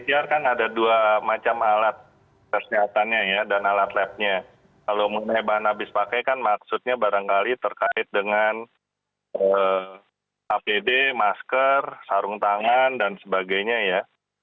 sebenarnya kan ada dua macam alat kesehatannya ya dan alat labnya kalau mengenai bahan habis pakai kan maksudnya barangkali terkait dengan apd masker sarung tangan dan sebagainya ya